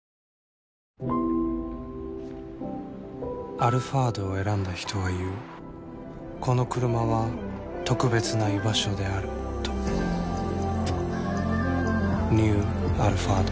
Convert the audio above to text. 「アルファード」を選んだ人は言うこのクルマは特別な居場所であるとニュー「アルファード」